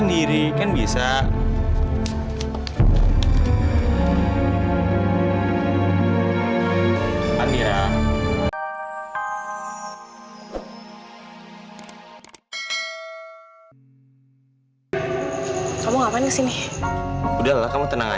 amira ini simple loh padahal